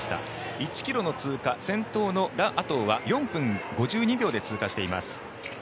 １ｋｍの通過先頭のラ・アトウは４分５２秒で通過しています。